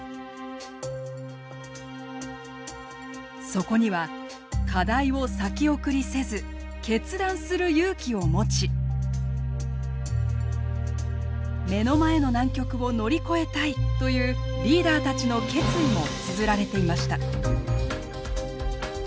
そこには課題を先送りせず決断する勇気を持ち目の前の難局を乗り越えたいというリーダーたちの決意もつづられていました。